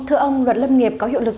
thưa ông luật lâm nghiệp có hiệu lực